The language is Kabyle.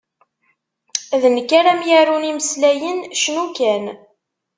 D nekk ara m-yarun imeslayen, cnu kan!